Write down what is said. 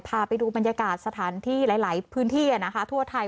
พาไปดูบรรยากาศสถานที่หลายพื้นที่ทั่วไทย